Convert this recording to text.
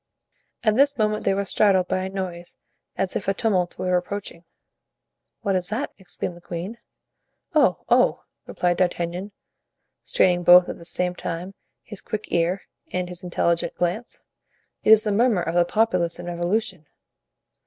At this moment they were startled by a noise as if a tumult were approaching. "What is that?" exclaimed the queen. "Oh, oh!" replied D'Artagnan, straining both at the same time his quick ear and his intelligent glance, "it is the murmur of the populace in revolution."